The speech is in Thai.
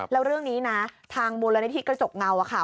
แล้วเรื่องนี้นะทางมูลนิธิกระจกเงาค่ะ